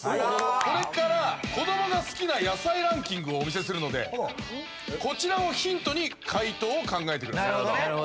これから子どもが好きな野菜ランキングをお見せするのでこちらをヒントに解答を考えてください